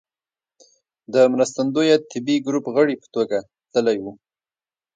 د مرستندويه طبي ګروپ غړي په توګه تللی و.